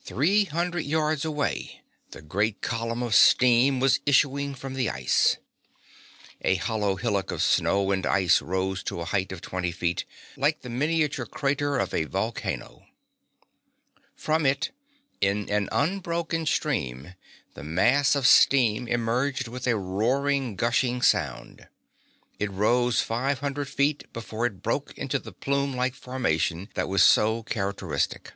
Three hundred yards away the great column of steam was issuing from the ice. A hollow hillock of snow and ice rose to a height of twenty feet, like the miniature crater of a volcano. From it, in an unbroken stream, the mass of steam emerged with a roaring, rushing sound. It rose five hundred feet before it broke into the plumelike formation that was so characteristic.